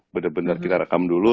bener bener kita rekam dulu